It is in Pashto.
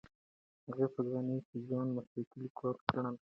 هغې په ځوانۍ کې ځان مسلکي لیکواله ګڼله.